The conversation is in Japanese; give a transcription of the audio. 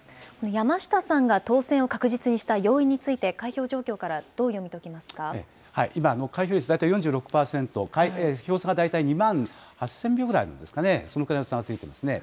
山下さんが当選を確実にした要因について、開票状況からどう読み今、開票率、大体４６％、票差が大体２万８０００票くらいあるんですかね、そのくらいの差がついていますね。